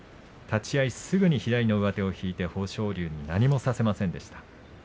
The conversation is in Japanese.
立ち合いすぐに左の上手を引いて豊昇龍に何もさせませんでした。